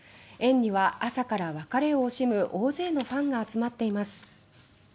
園には朝から別れを惜しむ大勢のファンが集まっています。